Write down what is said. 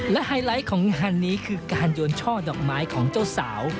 และไฮไลท์ของงานนี้คือการโยนช่อดอกไม้ของเจ้าสาว